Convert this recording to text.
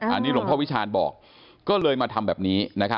อันนี้หลวงพ่อวิชาณบอกก็เลยมาทำแบบนี้